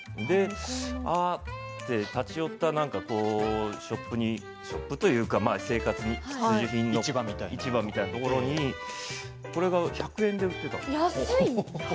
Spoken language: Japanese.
立ち寄ったショップにショップというか生活必需品の市場みたいなところにこれが１００円で売っていたんです。